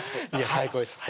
最高です